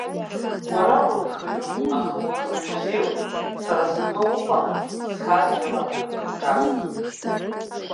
Уара унхаҩуп, аха унхаҩ бзиоуп, сара сҟны уҟанаҵ схарџьала акруҿасҵоит.